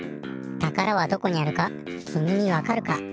たからはどこにあるかきみにわかるか？